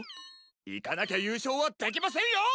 いかなきゃゆうしょうはできませんよ！